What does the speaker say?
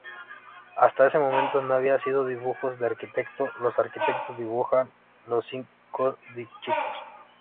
Hasta ese momento habían sido dibujos de arquitecto, los arquitectos dibujan, los chicos dibujan...